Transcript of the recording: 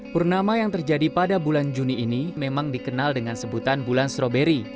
purnama yang terjadi pada bulan juni ini memang dikenal dengan sebutan bulan stroberi